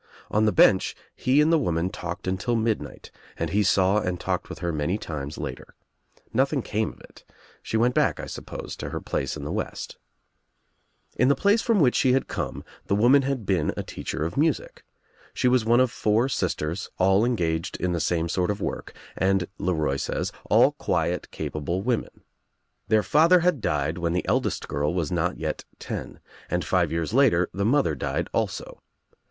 On the bench he and the woman talked until midnight and he saw and talked with her many times later. Nothing came of It. She went back, I suppose, to her place in the West. I In SEEDS 29 In the place from which she had come the woman had been a teacher of music. She was one of four jisters, all engaged in the same sort of work and. Le Roy says, all quiet capable women. Their father had died when the eldest girl was not yet ten, and five years later the mother died also.